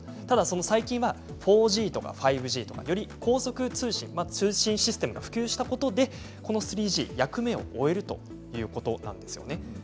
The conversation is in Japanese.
ただ最近は４Ｇや５Ｇより高速通信通信システムが普及したことでこの３Ｇが役目を終えるということなんですね。